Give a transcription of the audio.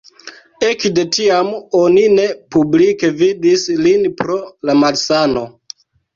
Ekde tiam oni ne publike vidis lin pro la malsano.